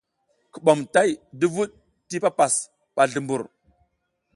Kuɓom tay duvuɗ ti papas ɓa zlumbur.